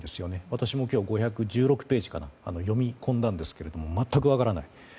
私も今日、５１６ページかな読み込んだんですけれども全く分からない。